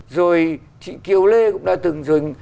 rồi chị kiều lê cũng đã từng dùng